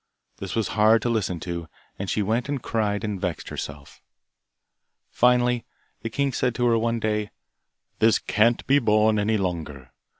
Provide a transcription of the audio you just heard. This was hard to listen to, and she went and cried and vexed herself. Finally, the king said to her one day, 'This can't be borne any longer.